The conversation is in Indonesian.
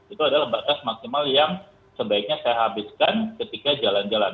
itu adalah batas maksimal yang sebaiknya saya habiskan ketika jalan jalan